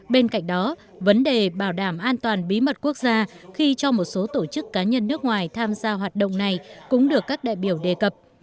bên cạnh đó vấn đề bảo đảm an toàn bí mật quốc gia khi cho một số tổ chức cá nhân nước ngoài tham gia hoạt động này cũng được các đại biểu đề cập